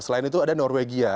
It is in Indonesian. selain itu ada norwegia